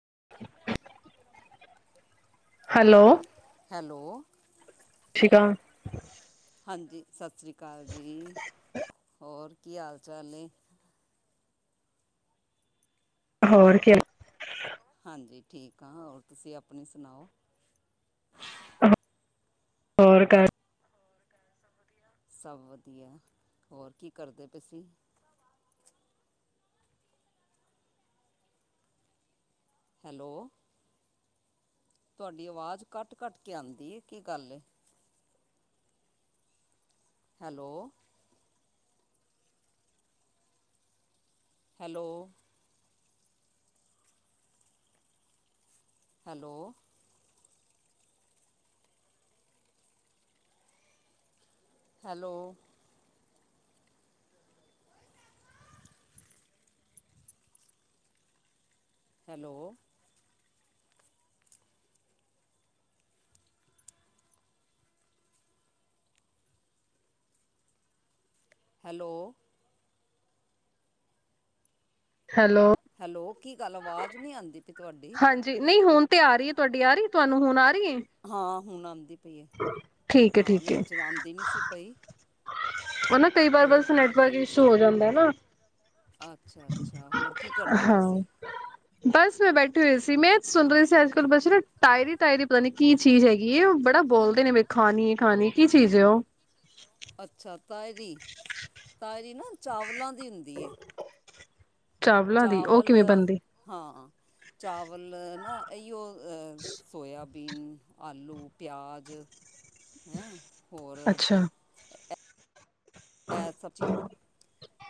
[inaudible] Hello. Hello. ਠੀਕ ਆ। ਹਾਂਜੀ ਸਤਿ ਸ਼੍ਰੀ ਅਕਾਲ ਜੀ, ਹੋਰ ਕੀ ਹਾਲ-ਚਾਲ ਏ? ਹੋਰ ਕਿ ਹਾਂਜੀ ਠੀਕ ਹਾਂ, ਹੋਰ ਤੁਸੀਂ ਆਪਣੀ ਸੁਣਾਓ? ਹੋਰ ਕ ਸਭ ਵਧੀਆ ਹੋਰ ਕੀ ਕਰਦੇ ਪਏ ਸੀ? ਹੈਲੋ, ਤੁਹਾਡੀ ਆਵਾਜ਼ ਕੱਟ-ਕੱਟ ਕੇ ਆਉਂਦੀ ਹੈ ਕੀ ਗੱਲ ਏ? Hello. Hello. Hello hello hello hello hello hello ਕੀ ਗੱਲ ਆਵਾਜ਼ ਨਹੀਂ ਆਉਂਦੀ ਪਈ ਤੁਹਾਡੀ ਹਾਂਜੀ ਨਈ ਹੁਣ ਤੇ ਆ ਰਈ ਏ ਤੁਹਾਡੀ ਆ ਰਈ ਤੁਹਾਨੂੰ ਹੁਣ ਆ ਰਈ ਏ। ਹਾਂ ਹੁਣ ਆਂਦੀ ਪਈ ਹੈ ਠੀਕ ਹੈ ਹਾਂ ਠੀਕ ਹੈ, ਵਿੱਚ ਆਂਦੀ ਨਈ ਸੀ ਪਈ। ਓ ਨਾ ਕਈ ਵਾਰ ਹੋਰ ਬਸ ਨੈਟਵਰਕ ਇਸ਼ੂ ਹੋ ਜਾਂਦਾ ਨਾ। ਅੱਛਾ-ਅੱਛਾ ਹੋਰ ਕੀ ਕਰਦੇ ਪਏ ਸੀ। [inaudible] ਬਸ ਮੈਂ ਬੈਠੇ ਹੋਏ ਸੀ ਮੈਂ ਸੁਣ ਰਈ ਸੀ ਅੱਜ ਕੱਲ ਬਸ ਟਾਇਰੀ-ਟਾਇਰੀ ਪਤਾ ਨੀ ਕੀ ਚੀਜ਼ ਹੈਗੀ ਓ ਬੜਾ ਬੋਲਦੇ ਨੇ ਵੀ ਖਾਣੀ ਹੈ ਖਾਣੀ ਕੀ ਚੀਜ਼ ਏ ਓ ਅੱਛਾ ਤਾਇਰੀ ਤਾਇਰੀ ਨਾ ਚਾਵਲਾਂ ਦੀ ਹੁੰਦੀ ਏ। ਚਾਵਲਾਂ ਦੀ ਉਹ ਚਾਵਲ ਕਿਵੇਂ ਬਣਦੀ? ਹਾਂ ਚਾਵਲ ਨਾ ਇਓ ਸੋਇਆ ਬੀਨ, ਆਲੂ, ਪਿਆਜ਼ ਹੈਂ ਹੋਰ ਅੱਛਾ। ਐ ਸਬਜੀ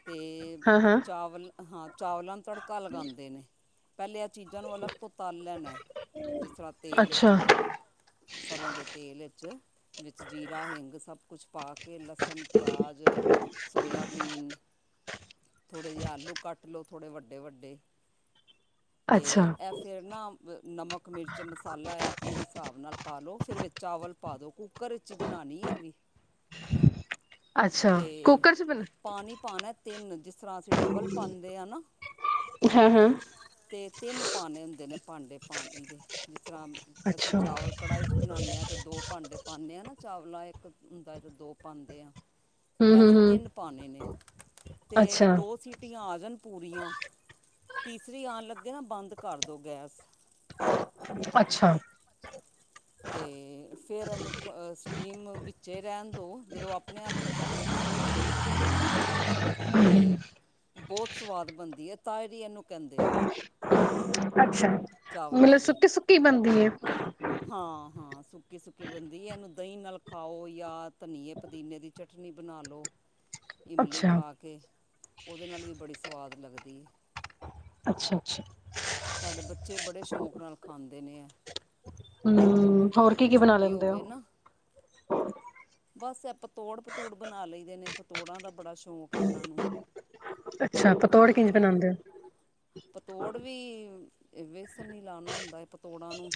ਤੇ ਹਾਂ-ਹਾਂ, ਚਾਵਲ ਹਾਂ ਚਾਵਲਾਂ ਨੂੰ ਤੜਕਾ ਲਗਾਂਦੇ ਨੇ। ਪੈਲੇ ਇਹ ਚੀਜ਼ਾਂ ਨੂੰ ਅਲੱਗ ਤੋਂ ਤਲ ਲੈਣਾ ਜਿਸ ਤਰ੍ਹਾਂ ਤੇਲ 'ਚ ਅੱਛਾ, ਸਰ੍ਹੋਂ ਦੇ ਤੇਲ 'ਚ ਵਿੱਚ ਜੀਰਾ, ਹਿੰਗ ਸਭ ਕੁਛ ਪਾ ਕੇ ਲਸਣ, ਪਿਆਜ, ਸੋਇਆਬੀਨ ਥੋੜ੍ਹੇ ਜਿਹੇ ਆਲੂ ਕੱਟ ਲਓ ਥੋੜ੍ਹੇ ਵੱਡੇ-ਵੱਡੇ ਤੇ ਅੱਛਾ, ਐਫ ਫਿਰ ਨਾ ਨਮਕ, ਮਿਰਚ, ਮਸਾਲਾ ਹੈ ਆਪਣੇ ਹਿਸਾਬ ਨਾਲ ਪਾ ਲਉ ਫਿਰ ਚਾਵਲ ਪਾ ਦੋ। ਕੁੱਕਰ 'ਚ ਈ ਬਣਾਣੀ ਐ ਵੀ ਅੱਛਾ ਤੇ ਕੁੱਕਰ ਚ ਬਣਾ ਪਾਣੀ ਪਾਣਾ ਤਿੰਨ ਜਿਸ ਤਰ੍ਹਾਂ ਅਸੀਂ ਡਬਲ ਪਾਂਦੇ ਆਂ ਨਾ ਹਾਂ-ਹਾਂ। ਤੇ ਤਿੰਨ ਪਾਣੇ ਹੁੰਦੇ ਨੇ ਭਾਂਡੇ ਪਾਣੀ ਦੇ ਜਿਸ ਤਰ੍ਹਾਂ ਅਸੀਂ ਅੱਛਾ, ਚਾਵਲ ਕੜਾਹੀ 'ਚ ਬਣਾਣੇ ਹਾਂ ਅਤੇ ਦੋ ਭਾਂਡੇ ਪਾਣੇ ਆਂ ਨਾ ਚਾਵਲਾ ਇੱਕ ਹੁੰਦਾ ਤੇ ਦੋ ਪਾਂਦੇ ਆਂ। ਐ ਅਸੀਂ ਹੂੰ-ਹੂੰ-ਹੂੰ, ਤਿੰਨ ਪਾਂਣੇ ਨੇ ਤੇ ਅੱਛਾ। ਸੀਟੀਆਂ ਆ ਜਾਣ ਪੂਰੀਆਂ ਤੀਸਰੀ ਆਣ ਲੱਗੇ ਨਾ ਬੰਦ ਕਰ ਦੋ ਗੈਸ ਅੱਛਾ ਅੱਛਾ ਤੇ ਫਿਰ ਇਨੂੰ ਸਟੀਮ ਵਿੱਚ ਰੈਂਣ ਦਿਉ ਜਦੋਂ ਆਪਣੇ ਆਪ ਖ਼ਤਮ ਹੋਏ ਨਾ ਫੇਰ ਖੋਲੋ। [inaudible] ਤੇ ਬੋਤ ਸਵਾਦ ਬਣਦੀ ਹੈ ਤਾਏਰੀ ਇਹਨੂੰ ਕੈਂਦੇ ਨੇ। ਅੱਛਾ ਮਤਲਬ ਸੁੱਕੀ-ਸੁੱਕੀ ਬਣਦੀ ਏ। ਹਾਂ-ਹਾਂ ਸੁੱਕੀ-ਸੁੱਕੀ ਬਣਦੀ ਇਹਨੂੰ ਦਹੀਂ ਨਾਲ ਖਾਓ ਜਾਂ ਧਨੀਏ ਪੁਦੀਨੇ ਦੀ ਚਟਨੀ ਬਣਾ ਲਉ। [inaudible] ਇਮਲੀ ਪਾ ਕੇ ਉਹਦੇ ਨਾਲ ਵੀ ਬੜੀ ਸਵਾਦ ਲੱਗਦੀ ਏ। ਅੱਛਾ-ਅੱਛਾ ਸਾਡੇ ਬੱਚੇ ਬੜੇ ਸ਼ੌਂਕ ਨਾਲ ਖਾਂਦੇ ਨੇ ਐ। ਹੂੰ ਹੋਰ ਕੀ-ਕੀ ਬਣਾ ਛੁੱਟੀ ਲੈਂਦੇ ਓ। ਹੋਵੇ ਨਾ [inaudible] ਬਸ ਐ ਪਤੋੜ ਪਤੂੜ ਬਣਾ ਲਈਦੇ ਨੇ ਪਤੋੜਾਂ ਦਾ ਬੜਾ ਸ਼ੌਕ ਹੈ ਇਹਨਾਂ ਨੂੰ ਅੱਛਾ! ਪਤੌੜ ਕਿੰਜ ਬਣਾਉਂਦੇ ਹੋ? ਪਤੌੜ ਵੀ ਵੇਸਣ ਨੀ ਲਾਉਣਾ ਹੁੰਦਾ ਹੈ ਪਤੋੜਾਂ ਨੂੰ!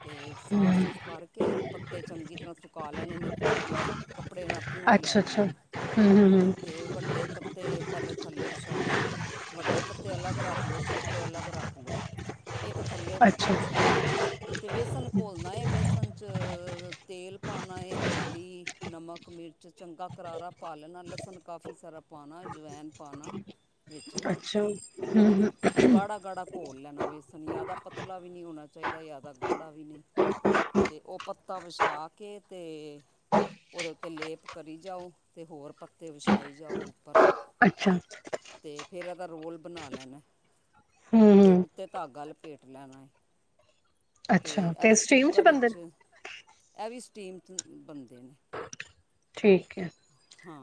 ਅਤੇ ਸਾਫ ਹੂੰ, -ਸੁੂਫ ਕਰਕੇ ਪੱਤੇ ਚੰਗੀ ਤਰ੍ਹਾਂ ਸੁਕਾ ਲੈਣੇ ਨੇ ਧੋ ਕੇ ਨਾ ਕੱਪੜੇ ਨਾਲ ਪੂੰਜ ਲੈਣੇ ਨੇ ਅੱਛਾ-ਅੱਛਾ, ਅੱਛਾ ਹੂੰ-ਹੂੰ-ਹੂੰ, ਤੇ ਵੱਡੇ ਪ ਪੱਤੇ ਪਹਿਲੇ ਥੱਲੇ ਵਿਛਾਲੋ ਵੱਡੇ ਪੱਤੇ ਅਲੱਗ ਰੱਖ ਲਓ, ਛੋਟੇ ਅਲੱਗ ਰੱਖ ਲਓ, ਇੱਕ ਥੱਲੇ ਵੱਡਾ ਅੱਛਾ-ਅੱਛਾ। ਵਿਛਾ ਕੇ ਵੇਸਨ ਘੋਲਣਾ ਏ! ਬੇਸਣ 'ਚ ਤੇਲ ਪਾਉਣਾ ਏ ਹਲਦੀ, ਨਮਕ, ਮਿਰਚ ਚੰਗਾ ਕਰਾਰਾ ਪਾ ਲੈਣਾ ਲਸਣ ਕਾਫੀ ਸਾਰਾ ਪਾਉਣਾ ਅਜਵੈਨ ਪਾਉਣਾ ਵਿੱਚ ਹੂੰ-ਹੂੰ, ਅੱਛਾ, ਹੂੰ-ਹੂੰ, ਤੇ ਗਾੜਾ- ਗਾੜਾ ਘੋਲ ਲੈਣਾ ਵੇਸਣ ਯਾਦਾ ਪਤਲਾ ਵੀ ਨਹੀਂ ਹੋਣਾ ਚਾਹੀਦਾ, ਯਾਦਾ ਗਾੜਾ ਵੀ ਨਹੀਂ, ਤੇ ਉਹ ਪੱਤਾ ਵਿਛਾ ਕੇ ਤੇ ਉਹਦੇ ਉੱਤੇ ਲੇਪ ਕਰੀ ਜਾਓ ਅਤੇ ਹੋਰ ਪੱਤੇ ਵਿਛਾਈ ਜਾਓ ਉੱਪਰ ਅੱਛਾ! ਤੇ ਫੇਰ ਇਹਦਾ ਰੋਲ ਬਣਾ ਲੈਣਾ ਹਮ ਤੇ ਹਮ ਉੱਤੇ ਧਾਗਾ ਲਪੇਟ ਲੈਣਾ ਏ, ਤੇ ਅੱਛਾ, ਇਹ ਵੀ ਸਟੀਮ 'ਚ ਕੁੱਕਰ ਬਣਦੇ ਨੇ? ਵਿੱਚ, ਇਹ ਵੀ ਸਟੀਮ 'ਚ ਬਣਦੇ ਨੇ, ਠੀਕ ਹੈ! ਹੂੰ!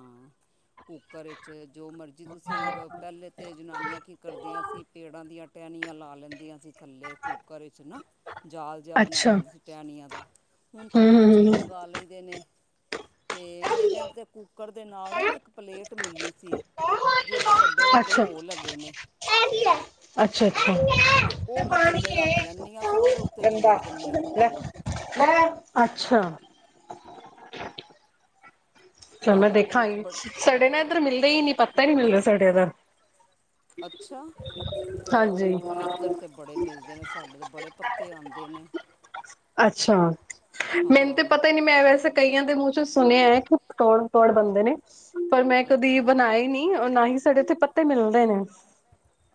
ਕੁੱਕਰ ਵਿੱਚ ਜੋ ਮਰਜ਼ੀ ਤੁਸੀਂ ਪਹਿਲੇ ਤੇ ਜਨਾਨੀਆਂ ਕੀ ਕਰਦੀਆਂ ਸੀ ਪੇੜਾਂ ਦੀਆਂ ਟਹਿਣੀਆਂ ਲਾ ਲੈਂਦੀਆਂ ਸੀ ਥੱਲੇ ਕੁੂੱਕਰ ਵਿੱਚ ਨਾ। ਜਾਲ ਜਿਹਾ ਬਣਾ ਅੱਛਾ, ਲੈਂਦੀ ਸੀ, ਟੈਣੀਆਂ ਦਾ ਹੁਣ ਚਮਚ ਵੀ ਹੂੰ-ਹੂੰ-ਹੂੰ। ਲਗਾ ਲਈਦੇ ਨੇ, ਤੇ ਮੇਰੇ ਤਾਂ ਕੁੱਕਰ ਦੇ ਨਾਲ ਨਾ ਇੱਕ ਪਲੇਟ ਮਿਲੀ ਸੀ, ਜਿਹਦੇ 'ਚ ਵੱਡੇ- ਵੱਡੇ ਹੋਰ ਲੱਗੇ ਨੇ। ਐ ਕੀ ਹੈ? ਅੱਛਾ- ਅੱਛਾ! ਤੇ ਉਹ ਮੈਂ ਥੱਲੇ ਰੱਖ ਲੈਂਦੀ ਆ ਫਿਰ ਉਹਦੇ ਉੱਤੇ ਜੋੜ ਦਿੰਨੀ ਆ ਪਤੋੜ ਅੱਛਾ! ਚਲੋ ਤੇ ਉਹਦੇ 'ਚ ਦੇਖਾਂਗੇ ਬੜ ਸੜੇ ਨਾ ਇੱਧਰ ਮਿਲਦੇ ਹੀ ਨੀ ਪੱਤਾ ਹੀ ਨੀ ਮਿਲ ਰਿਹਾ ਸੜੇ ਇੱਧਰ ਅੱਛਾ! ਹਾਂਜੀ! ਇੱਧਰ ਤਾਂ ਬੜੇ ਮਿਲਦੇ ਨੇ, ਸਾਡੇ ਤਾਂ ਬੜੇ ਪੱਤੇ ਆਂਦੇ ਨੇ, ਅੱਛਾ! ਮੈਨੂੰ ਤੇ ਹਾਂ ਪਤਾ ਨੀ ਮੈਂ ਵੈਸੇ ਕਈਆਂ ਦੇ ਮੂੰਹ 'ਚ ਸੁਣਿਆ ਹੈ ਕਿ ਪਤੌੜ -ਪਤੌੜ ਬਣਦੇ ਨੇ, ਪਰ ਮੈਂ ਕਦੀ ਅੱਛਾ ਬਣਾਏ ਨਹੀਂ, ਨਾ ਹੀ ਸਾਡੇ ਇੱਥੇ ਪੱਤੇ ਮਿਲਦੇ ਨੇ।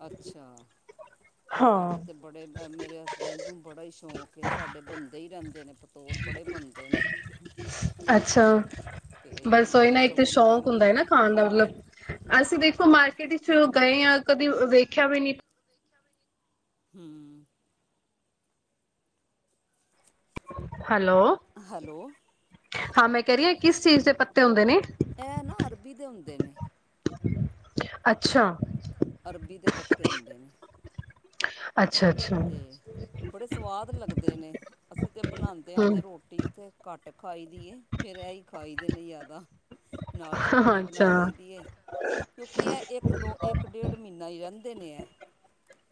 ਅੱਛਾ! ਹਾਂ ਸਾਡੇ ਤੇ ਬੜੇ ਮੇਰੇ ਹਸ ਬੈਂਡ ਨੂੰ ਬੜਾ ਹੀ ਸ਼ੌਂਕ ਹੈ ਸਾਡੇ ਬਣਦੇ ਹੀ ਰਹਿੰਦੇ ਨੇ ਪਤੋੜ, ਬੜੇ ਬਣਦੇ ਨੇ। ਅੱਛਾ! ਅਤੇ ਬਸ ਉਹਈ ਹਾਂ ਨਾ ਇੱਕ ਤਾਂ ਸਗੋਂ ਮੈਂ ਸ਼ੌਂਕ ਹੁੰਦਾ ਹੈ ਨਾ ਖਾਣ ਦਾ ਮਤਲਬ ਅਸੀਂ ਦੇਖੋ ਮਾਰਕੀਟ ਵਿੱਚ ਗਏ ਹਾਂ, ਕਦੇ ਵੇਖਿਆ ਵੀ ਨੀ! ਹੂੰ! ਹੈਲੋ! ਹੈਲੋ ਹਾਂ! ਮੈਂ ਕਹਿ ਰਹੀ ਹਾਂ ਕਿਸ ਚੀਜ਼ ਦੇ ਪੱਤੇ ਹੁੰਦੇ ਨੇ? ਇਹ ਨਾ ਅਰਬੀ ਦੇ ਹੁੰਦੇ ਨੇ। ਅੱਛਾ! ਅਰਬੀ ਦੇ ਪੱਤੇ ਹੁੰਦੇ ਨੇ। ਅੱਛਾ- ਅੱਛਾ! ਤੇ ਬੜੇ ਸਵਾਦ ਲੱਗਦੇ ਨੇ, ਅਸੀਂ ਤੇ ਬਣਾਉਦੇ ਹਾਂ ਤੇ ਹਮ ਰੋਟੀ ਰੋਟੀ ਤੇ ਘੱਟ ਖਾਈਦੀ ਏ, ਫੇਰ ਇਹੀ ਖਾਈ ਦੇ ਨੇ ਜ਼ਿਆਦਾ। ਨਾਲ ਹਾਂ ਚਟਨੀ ਅੱਛਾ ਬਣਾ ਲਈ ਦੀ ਏ ਕਿਉਂਕਿ ਐ ਏਕ ਦੋ ਏਕ ਡੇਢ ਮੀਨਾ ਈ ਰੈੰਦੇ ਨੇ ਐ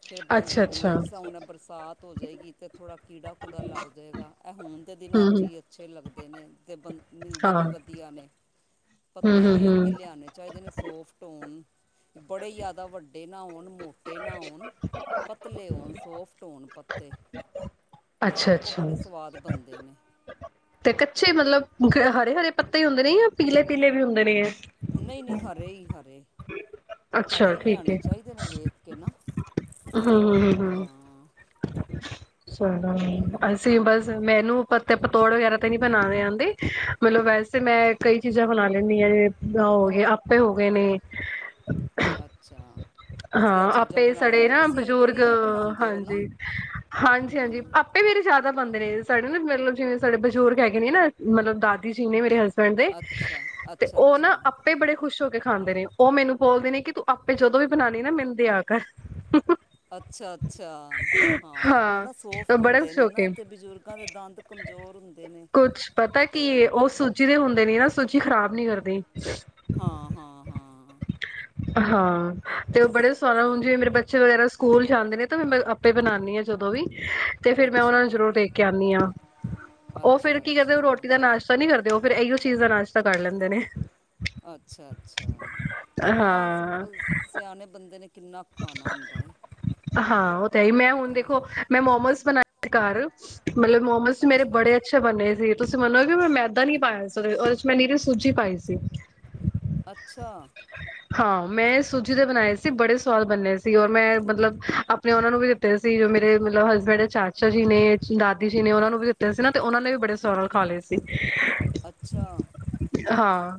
ਫੇਰ ਬੰਦ ਅੱਛਾ ਹੋ ਜਾਂਦੇ ਅੱਛਾ ਨੇ ਹੁਣ ਬਰਸਾਤ ਹੋ ਜੇਗੀ ਤੇ ਥੋੜਾ ਕੀੜਾ-ਕੂੜਾ ਲੱਗ ਜੇਗਾ ਐ ਹੁਣ ਦੇ ਦਿਨਾਂ ਹੂੰ ਚ ਹੂੰ ਈ ਏ ਅੱਛੇ ਲੱਗਦੇ ਨੇ ਤੇ ਬੰ ਮਿਲਦੇ ਹਾਂ ਵੀ ਹੂੰ ਵਧੀਆ ਨੇ ਪੱਤੇ ਹੂੰ ਵੇਖ ਹੂੰ ਕੇ ਲਿਆਣੇ ਚਾਇਦੇ ਨੇ ਸੋਫਟ ਹੋਣ ਬੜੇ ਯਾਦਾ ਵੱਡੇ ਨਾ ਹੋਣ ਮੋਟ ਟੇ ਨਾ ਹੋਣ ਪਤਲੇ ਹੋਣ ਸੋਫਟ ਹੋਣ ਪੱਤੇ ਤੇ ਅੱਛਾ ਓ ਅੱਛਾ ਬੜੇ ਸਵਾਦ ਬਣਦੇ ਨੇ। ਤੇ ਕੱਚੇ ਮਤਲਬ ਹਰੇ-ਹਰੇ ਪੱਤੇ ਈ ਹੁੰਦੇ ਨੇ ਯਾਂ ਪੀਲੇ-ਪੀਲੇ ਵੀ ਹੁੰਦੇ ਨੇ ਐ। ਨਈ-ਨਈ ਹਰੇ ਈ ਹਰੇ ਹਰੇ ਅੱਛਾ ਇ ਠੀਕ ਲਿਆਣੇ ਚਾਇਦੇ ਨੇ ਵੇਖ ਕੇ ਨਾ ਹਾਂ-ਹਾਂ-ਹਾਂ-ਹਾਂ। ਹਾਂਅਂ ਸਾਨੂੰ ਨੀ ਅਸ ਬਸ ਮੈਨੂੰ ਪਤੇ ਪਤੋੜ ਵਗੈਰਾ ਤੇ ਨੀ ਬਣਾਣੇ ਆਂਦੇ ਮਤਲਬ ਵੈਸੇ ਮੈਂ ਅੱਛਾ ਕਈ ਚੀਜ਼ਾਂ ਬਣਾ ਲੈਂਣੀ ਯੇ ਹੋ ਗਏ ਅ ਅਪੇ ਹੋਗੇ ਨੇ ਅੱਛਾ। ਤੁਸੀਂ ਇਹ ਹਾਂ ਚੀਜ਼ਾਂ ਆਪੇ ਬਣਾ ਸੜੇ ਲੈਂਦੇ ਹੋ। ਨਾ ਤੁਸੀਂ ਬਜ਼ੁਰਗ ਇਡਲੀ ਵੀ ਬਣਾਉਂਦੇ ਹੋ ਨਾ ਹਾਂਜੀ-ਹਾਂਜੀ-ਹਾਂਜੀ ਹੂੰ ਮੇਰੇ ਜ਼ਿਆਦਾ ਬਣਦੇ ਨੇ ਸਾਡੇ ਨਾ ਮਤਲਬ ਜਿਵੇਂ ਸਾਡੇ ਬਜ਼ੁਰਗ ਹੈਗੇ ਨੇ ਨਾ ਮਤਲਬ ਦਾਦੀ ਜੀ ਨੇ ਮੇਰੇ ਹਸ ਬੈਂਡ ਦੇ ਅੱਛਾ ਤੇ ਅੱਛਾ ਓ ਅੱਛਾ ਨਾ ਅਪ ਅੱਪੇ ਬੜੇ ਖੁਸ਼ ਹੋ ਕੇ ਖਾਂਦੇ ਨੇ ਓ ਮੈਨੂੰ ਬੋਲਦੇ ਨੇ ਕਿ ਤੂੰ ਅੱਪੇ ਜਦੋਂ ਵੀ ਬਣਾਣੀ ਏ ਨਾ ਮੈਨ ਦਯਾ ਕਰ। ਅੱਛ-ਅੱਛਾ ਹਾਂ ਓ ਨਾ ਹਾਂ ਸੋਫਟ ਹੁੰਦੇ ਨੇ ਨਾ ਤੇ ਬਜ਼ੁਰਗਾਂ ਦੇ ਦੰਦ ਕਮਜ਼ੋਰ ਹੁੰਦੇ ਨੇ ਕੁੱਛ ਪਤਾ ਤੇ ਕੀ ਏ ਓ ਸੂਜੀ ਦੇ ਹੁੰਦੇ ਨੇ ਨਾ ਸੂਜੀ ਖ਼ਰਾਬ ਨੀ ਕਰਦੀ। ਹਾਂ-ਹਾਂ-ਹਾਂ। ਹਾਂ, ਤੇ ਓ ਬੜੇ ਸਵਾਦ ਸਹੀ ਹੁਣ ਜੇ ਮੇਰੇ ਗੱਲ ਬੱਚੇ ਵਗੈਰਾ ਸ ਸਕੂਲ ਜਾਂਦੇ ਨੇ ਤੇ ਮੈਂ ਅੱਪੇ ਬਣਾਣੀ ਆਂ ਜਦੋਂ ਵੀ ਤੇ ਫਿਰ ਮੈਂ ਓਨਾਂ ਅੱਛਾ ਨੂੰ ਜ਼ਰੂਰ ਦੇ ਕੇ ਆਣੀਂ ਆ। ਓ ਫਿਰ ਅੱਛਾ ਕੀ ਕਰਦੇ ਨੇ ਅੱਛਾ ਰੋਟੀ ਦਾ ਨਾਸ਼ਤਾ ਨੀ ਕਰਦੇ ਓ ਫਿਰ ਏਇਓ ਚੀਜ਼ ਦਾ ਨਾਸ਼ਤਾ ਕਰ ਲੈਂਦੇ ਨੇ। ਅੱਛਾ-ਅੱਛਾ ਹਾਂ ਓ ਸਿੰਪਲ ਸਿਆਣੇ ਬੰਦੇ ਨੇ ਕਿੰਨਾ ਕੁ ਖਾਣਾ ਹੁੰਦਾ ਏ। ਹਾਂ ਓ ਤੇ ਨਈ ਮੈਂ ਹੁਣ ਦੇਖੋ ਮੈਂ ਮੋਮਸ ਬਣਾਏ ਸੀ ਘਰ ਮਤਲਬ ਮੋਮਸ ਮੇਰੇ ਅੱਛਾ ਬੜੇ ਅ ਅੱਛੇ ਬੰਨੇ ਸੀ ਤੁਸੀਂ ਮੰਨੋਗੇ ਮੈਂ ਮੈਦਾ ਨੀ ਪਾਯਾ ਸੀ ਓ ਦੇ ਚ ਓਦੇ ਮੈ ਨੀਰੀ ਸੂਜੀ ਪਾਈ ਸੀ। ਅੱਛਾ ਹਾਂ ਮੈਂ ਸੂਜੀ ਦੇ ਬਣਾਏ ਸੀ ਬੜੇ ਸ ਸਵਾਦ ਬੰਨੇ ਸੀ ਔਰ ਮੈਂ ਮਤਲਬ ਅਪਣੇ ਓਨਾਂ ਨੂੰ ਵੀ ਦਿੱਤੇ ਸੀ ਜੋ ਮੇਰੇ ਮਤਲਬ ਹਸਬੈਂਡ ਦੇ ਚਾ ਚਾ ਜੀ ਨੇ, ਦਾਦੀ ਜੀ ਨੇ ਓਨਾਂ ਨੂੰ ਵੀ ਦਿੱਤੇ ਸੀ ਨਾ ਤੇ ਓਨਾਂ ਨੇ ਵੀ ਬੜੇ ਸਵਾਦ ਨਾ ਖਾ ਲਏ ਸੀ। ਅੱਛਾ!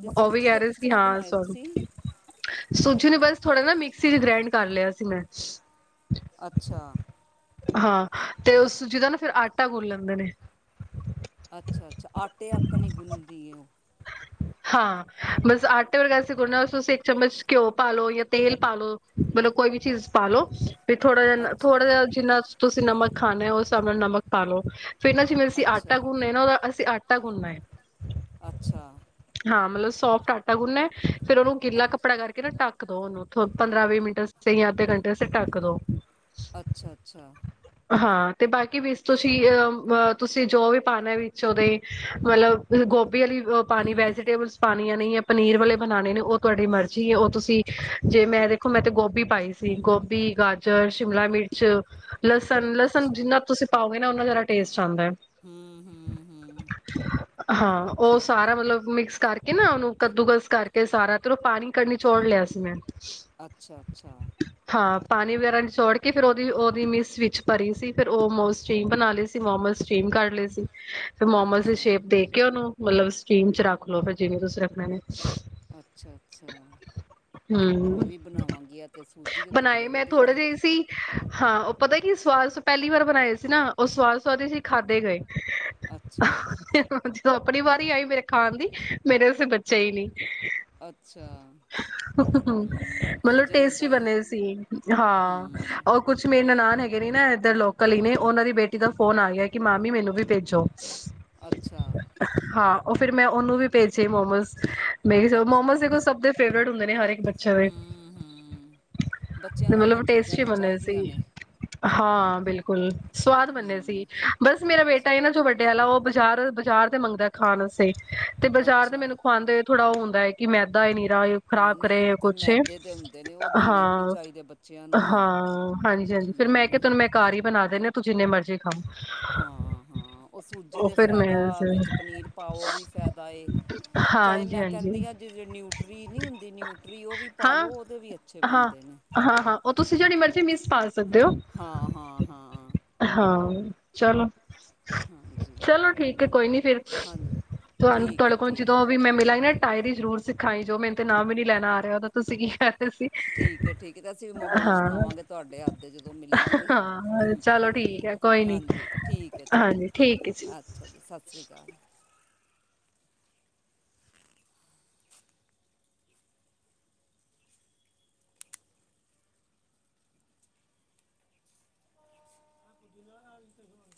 ਤੇ ਓ ਵੀ ਸੂਜੀ ਕੈ ਦੇ ਰੇ ਕਿਸ ਸੀ ਤਰ੍ਹਾਂ ਹਾਂ ਬਣਾਏ ਤੁਸੀਂ ਸਵ- ਸੂਜੀ ਨੂੰ ਬਸ ਥੋੜਾ ਨਾ ਮਿਕਸੀ ਚ ਗ੍ਰੈਂਡ ਕਰ ਲਯਾ ਸੀ ਮੈਂ ਅੱਛਾ। ਹਾਂ ਤੇ ਉਸ ਸੂਜੀ ਦਾ ਨਾ ਫਿਰ ਆਟਾ ਗੁਣ ਲੈਂਦੇ ਨੇ। ਅੱਛਾ-ਅੱਛਾ ਆਟੇ ਅੱਕਨ ਈ ਗੁੰਣਦੀ ਏ ਓ ਹਾਂ, ਬਸ ਆਟੇ ਵਰਗੇ ਅਸੀ ਗੁੰਣਨਾ ਤੁਸੀਂ ਇੱਕ ਚੱਮਚ ਕਿਓ ਪਾਲੋ ਯਾਂ ਤੇਲ ਪਾਲੋ ਮਤਲਬ ਕੋਈ ਵੀ ਚੀਜ਼ ਪਾਲੋ ਤੇ ਥੋੜਾ ਜੇਹਾ ਅੱਛਾ ਥੋੜਾ ਜੇਹਾ ਜਿੰਨਾ ਤੁਸੀਂ ਨਮਕ ਖਾਣੇ ਓ ਉਸ ਹਿਸਾਬ ਨਾਲ ਨਮਕ ਪਾਲੋ। ਫਿਰ ਨਾ ਜਿਵੇਂ ਅਸੀਂ ਆਟਾ ਅੱਛਾ ਗੁੰਣਨੇ ਨਾ ਓਦਾ ਅਸੀਂ ਆਟਾ ਗੁੰਣਨਾ ਏ। ਅੱਛਾ! ਹਾਂ, ਮਤਲਬ ਸੋਫਟ ਆਟਾ ਗੁੰਣਨਾ ਹੈ ਫਿਰ ਉਹਨੂੰ ਗਿੱਲਾ ਅੱਛ ਕੱਪੜਾ ਕਰਕੇ ਨਾ ਟ ਟੱਕ ਦੋ ਉਹਨੂੰ ਪੰਦਰਾਂ- ਵੀਹ ਮਿੰਟ ਵਾਸਤੇ ਜਾਂ ਅੱਧੇ ਘੰਟੇ ਵਾਸਤੇ ਢੱਕ ਦੋ, ਅੱਛਾ- ਅੱਛਾ! ਹਾਂ ਤੇ ਬਾਕੀ ਵਿੱਚ ਤੁਸੀਂ ਅ ਤੁਸੀਂ ਜੋ ਵੀ ਪਾਣਾ ਵਿੱਚ ਉਹਦੇ ਮਤਲਬ ਗੋਭੀ, ਪਾਣੀ ਵੈਜੀਟੇਬਲਸ ਪਾਣੀਆਂ ਨਹੀ ਐ ਪਨੀਰ ਵਾਲੇ ਬਣਾਣੇ ਨੇ ਉਹ ਤੁਹਾਡੀ ਮਰਜ਼ੀ ਹੈ ਉਹ ਤੁਸੀਂ ਜੇ ਮੈਂ ਦੇਖੋ ਮੈਂ ਤੇ ਗੋਭੀ ਪਾਈ ਸੀ ਗੋਭੀ, ਗਾਜਰ, ਸ਼ਿਮਲਾ, ਮਿਰਚ ਲਸਣ ਲਸਣ ਅੱਛਾ ਜਿੰਨਾ ਤੁਸੀਂ ਪਾਓਗੇ ਨਾ ਉਹਨਾ ਜ਼ਿਆਦਾ ਟੇਸਟ ਆਂਦਾ ਹੈ। ਹੂੰ ਹੂੰ- ਹੂੰ! ਹਾਂ ਅੱਛਾ! ਉਹ ਸਾਰਾ ਮਤਲਬ ਮਿਕਸ ਕਰਕੇ ਨਾ ਉਹਨੂੰ ਕੱਦੂਕਸ ਕਰਕੇ ਸਾਰਾ ਤੇ ਉਹ ਉਹ ਪਾਣੀ ਕੱਢ ਨਿਚੋੜ ਲਿਆ ਸੀ ਮੈਂ ਸੀ ਅੱਛਾ- ਅੱਛਾ! ਹਾਂ! ਪਾਣੀ ਵਗੈਰਾ ਨਿਚੋੜ ਕੇ ਫਿਰ ਉਹਦੀ- ਉਹਦੀ ਮਿਸ ਵਿੱਚ ਭਰੀ ਸੀ ਫੇਰ ਉਹ ਮੋਸ 'ਚ ਬਣਾ ਲਏ ਤੇ ਮੋਮਸ ਸਟੀਮ ਕਰ ਲਏ ਸੀ। ਫਿਰ ਮੋਮਸ ਦੀ ਅੱਛਾ ਸ਼ੇਪ ਦੇ ਕੇ ਉਹਨੂੰ ਮਤਲਬ ਸਟੀਮ 'ਚ ਰੱਖ ਲਓ ਫਿਰ ਜਿਵੇਂ ਤੁਸੀਂ ਰੱਖਣੇ ਨੇ। ਅੱਛਾ- ਅੱਛਾ ਚਲੋ ਮੈਂ ਹੂੰ ਵੀ ਬਣਾਵਾਂਗੀ ਐ ਤੇ ਸੂਜੀ ਦੇ ਤੇ ਬੜੇ ਬਣਾਏ ਮੈਂ ਥੋੜੇ ਵਧੀਆ ਜਿਹੇ ਸੀ ਹਾਂ ਉਹ ਪਤਾ ਕੀ ਸਵਾਦ ਪਹਿਲੀ ਵਾਰ ਬਣਾਏ ਸੀ ਨਾ ਉਹ ਸਵਾਦ- ਸਆਦ ਸੀ ਖਾਧੇ ਗਏ। ਅੱਛਾ [inaudible] ਜਦੋਂ ਆਪਣੀ ਵਾਰੀ ਆਈ ਮੇਰੇ ਖਾਣ ਦੀ ਮੇਰੇ ਅਸਤੇ ਬਚਿਆ ਹੀ ਨਹੀਂ। ਅੱਛਾ! [inaudible] ਹੂੰ ਮਤਲਬ ਇੰਝ ਟੇਸਟੀ ਹੁੰਦਾ ਏ ਬਣੇ ਸੀ ਹੂੰ ਹਾਂ। ਕੁਛ ਮੇਰੇ ਨਨਾਨ ਹੈਗੇ ਨੇ ਨਾ ਇਧਰ ਲੋਕਲ ਹੀ ਨੇ ਉਹਨਾਂ ਦੀ ਬੇਟੀ ਦਾ ਫੋਨ ਆ ਗਿਆ ਕਿ ਮਾਮੀ ਮੈਨੂੰ ਵੀ ਭੇਜੋ। ਅੱਛਾ! ਹਾਂ ਉਹ ਫਿਰ ਮੈਂ ਉਹਨੂੰ ਵੀ ਭੇਜੇ ਮੋਮੋਸ ਮੈ ਅੱਛਾ ਮੋਮੋਸ ਦੇਖੋ ਸਭ ਦੇ ਫੇਵਰੇਟ ਹੁੰਦੇ ਨੇ ਹਰ ਇੱਕ ਬੱਚੇ ਦੇ ਹੂੰ ਹੂੰ ਬੱਚਿਆਂ ਤੇ ਨੂੰ ਇਹੀਓ ਮਤਲਬ ਚੀਜ਼ਾਂ ਟੇਸਟੀ ਤਾਂ ਬਣੇ ਸੀ। ਚਾਹੀਦੀਆਂ ਨੇ ਹਾਂ! ਬਿਲਕੁਲ! ਸਵਾਦ ਬਣੇ ਸੀ ਹਮ ਬਸ ਮੇਰਾ ਬੇਟਾ ਅੱਛਾ ਇਹਨਾਂ 'ਚੋਂ ਵੱਡੇ ਵਾਲਾ ਉਹ ਬਾਜ਼ਾਰ -ਬਜ਼ਾਰ ਦੇ ਮੰਗਦਾ ਖਾਣ ਅਸਤੇ ਤੇ ਬਜ਼ਾਰ ਦੇ ਅੱਛਾ ਮੈਨੂੰ ਖਾਵਾਂਦੇ ਹੋਏ ਥੋੜ੍ਹਾ ਉਹ ਹੁੰਦਾ ਏ। ਕਿ ਮੈਦਾ ਏ ਨਿਰਾ ਏ ਹਾਂ ਖ਼ਰਾਬ ਨਹੀਂ ਉਹ ਕਰੇ ਤੇ ਕੁਛ ਏ ਮੈਦੇ ਦੇ ਹੁੰਦੇ ਨੇ ਉਹ ਦੇਣੇ ਵੀ ਨਹੀਂ ਹਾਂ। ਚਾਹੀਦੇ ਬੱਚਿਆਂ ਨੂੰ ਨਾ ਹਾਂ! ਹਾਂਜੀ- ਹਾਂਜੀ ਫਿਰ ਮੈਂ ਕਿਹਾ ਹਮ ਤੈਨੂੰ ਮੈਂ ਘਰ ਹੀ ਬਣਾ ਦਿੰਨੀ ਆ ਤੂੰ ਜਿੰਨੇ ਮਰਜ਼ੀ ਖਾ। ਹੂੰ- ਹੂੰ, ਉਹ ਸੂਜੀ ਦੇ ਫਾਇਦਾ ਵਿੱਚ ਪਨੀਰ ਪਾਓ ਵੀ ਫਾਇਦਾ ਏ। ਚਾਹੇ ਹਾਂਜੀ ਮੈਂ ਹਾਂਜੀ ਕਹਿੰਦੀ ਆ ਜਿ ਨਿਊਟਰੀ ਨਹੀਂ ਹੁੰਦੀ ਨਿਊਟਰੀ ਉਹ ਵੀ ਪਾਲੋ ਹਾਂ ਉਹਦੇ ਵੀ ਅੱਛੇ ਹਾਂ ਬਣਦੇ ਨੇ। ਹਾਂ- ਹਾਂ, ਉਹ ਤੁਸੀਂ ਜਿਹੜੀ ਮਰਜ਼ੀ ਮਿਸ ਪਾ ਸਕਦੇ ਹੋ। ਹਾਂ ਹਾਂ ਹਾਂ ਹਾਂ, ਚਲੋ। ਹਾਂਜੀ! ਕਹਿ ਕੋਈ ਨੀ ਫੇਰ ਹਾਂਜੀ ਤੁਹਾਨੂੰ ਠੀਕ ਹੈ ਤੁਹਾਡੇ ਕੋਲ ਠੀਕ ਜਦੋਂ ਵੀ ਮੈਂ ਮਿਲਾਗੀ ਨਾ ਟਾਇਰੀ ਜ਼ਰੂਰ ਸਿਖਾ ਗੀ ਜੋ ਮੈਨੂੰ ਤੇ ਨਾਮ ਵੀ ਨਹੀਂ ਲੈਣਾ ਆ ਰਿਹਾ ਉਹਦਾ ਤੁਸੀਂ ਕੀ ਕਹਿ ਰਹੇ ਸੀ ਠੀਕ ਹੈ, ਠੀਕ ਹੈ ਤੇ ਅਸੀਂ ਵੀ ਮੋਮੋਸ ਹਾਂ ਖਾਵਾਂਗੇ ਤੁਹਾਡੇ ਹੱਥ ਦੇ ਜਦੋਂ ਮਿਲਾਂਗੇ ਹਾਂ ਹੂੰ। ਚਲੋ ਠੀਕ ਹੈ ਕੋਈ ਨੀ ਹਾਂਜੀ, ਠੀਕ ਹੈ, ਚਲੋ ਹਾਂਜੀ ਠੀਕ ਹੈ ਅੱਛਾ ਜੀ, ਸਤਿ ਸ੍ਰੀ ਅਕਾਲ। [inaudible]